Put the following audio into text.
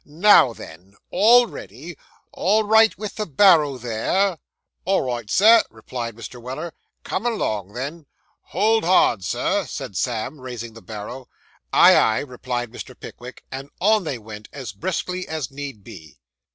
Now then all ready all right with the barrow there?' 'All right, Sir,' replied Mr. Weller. 'Come along, then.' 'Hold hard, Sir,' said Sam, raising the barrow. 'Aye, aye,' replied Mr. Pickwick; and on they went, as briskly as need be.